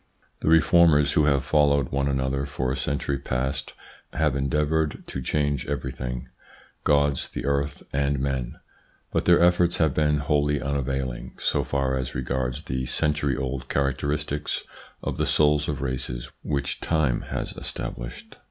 The reformers who have followed one another for a century past have endeavoured to change every thing : Gods, the earth and men ; but their efforts have been wholly unavailing so far as regards the century old characteristics of the souls of races which time has established.